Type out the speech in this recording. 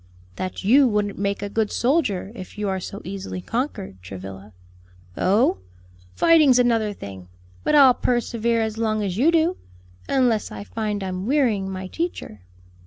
"That you wouldn't make a good soldier, if you are so easily conquered, Travilla." "Oh, fighting's another thing, but I'll persevere as long as you do; unless I find I'm wearying my teacher."